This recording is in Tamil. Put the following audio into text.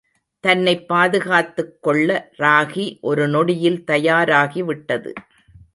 தன்னைப் பாதுகாத்துக் கொள்ள ராகி ஒரு நொடியில் தயாராகிவிட்டது.